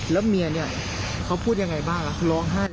แล้วเมียเนี่ยเขาพูดยังไงบ้างร้องไห้